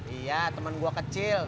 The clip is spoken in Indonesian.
iya temen gue kecil